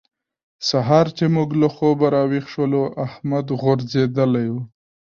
سهار چې موږ له خوبه راويښ شولو؛ احمد غورځېدلی وو.